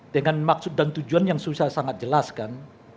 dengan maksud dan tujuan yang susah sangat jelas kan